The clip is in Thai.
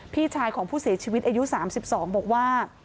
พี่ชายของผู้เสียชีวิตอายุ๓๒บอกว่า